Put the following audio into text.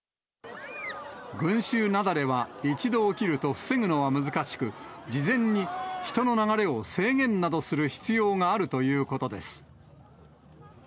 群衆雪崩は一度起きると防ぐのは難しく、事前に人の流れを制限などする必要があるということです。